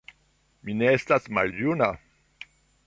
Mi ne estas maljuna